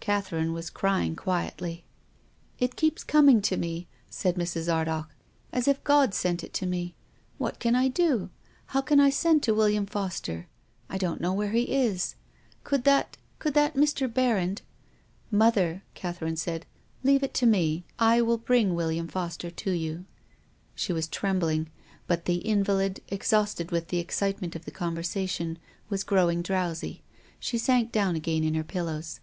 Catherine was crying quietly. " It keeps coming," said Mrs. Ardagh, " as if God sent it to me. What can I do ? How can I send to William Foster ? I don't know where he is. Could that Mr. Berrand ?"" Mother," Catherine said. " Leave it to me, I will bring William Foster to you." She was trembling. But the invalid, exhausted with the excitement of the conversation, was growing drowsy. She sank down again in her pillows.